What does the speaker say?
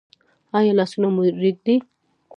ایا لاسونه مو ریږدي؟